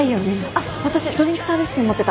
あっ私ドリンクサービス券持ってた。